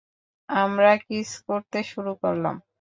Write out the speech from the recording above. আমরা কিস করতে শুরু করলাম।